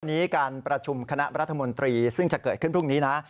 นี้การประชุมคณะรัฐมนตรีซึ่งจะเกิดขึ้นพรุ่งนี้นะ